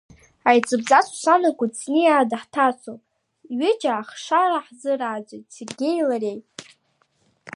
Аиҵыбӡа Сусана Кәыҵниаа даҳҭацоуп, ҩыџьа ахшара ҳзырааӡоит Сергеии лареи.